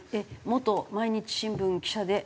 元毎日新聞記者で。